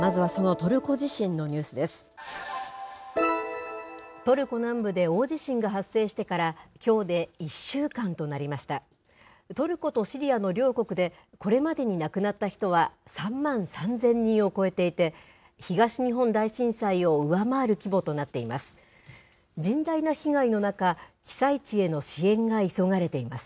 トルコとシリアの両国で、これまでに亡くなった人は３万３０００人を超えていて、東日本大震災を上回る規模となっています。